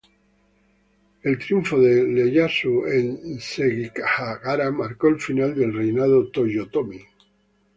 El triunfo de Ieyasu en Sekigahara marcó el final del reinado Toyotomi.